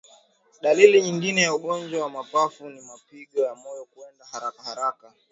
Dalili nyingine ya ugonjwa wa mapafu ni mapigo ya moyo kwenda harakaharaka